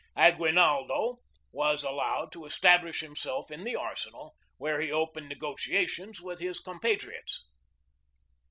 Aguinaldo was allowed to establish himself in the arsenal, where he opened negotiations with his compatriots.